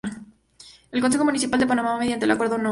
El Consejo Municipal de Panamá, mediante el Acuerdo No.